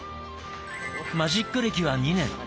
マジック歴は２年。